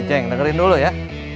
ceng dengerin dulu ya